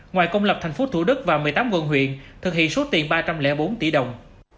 ngoài công lập tp thủ đức và một mươi tám quận huyện thực hiện số tiền ba trăm linh bốn tỷ đồng